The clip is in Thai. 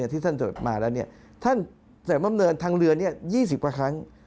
ท่านเศรษฐ์บำเนินทางเรือนี้๒๐กว่าครั้ง